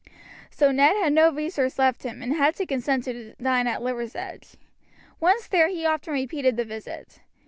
So Ned had no resource left him, and had to consent to dine at Liversedge. Once there he often repeated the visit.